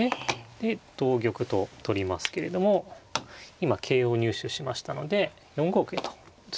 で同玉と取りますけれども今桂を入手しましたので４五桂と打つと。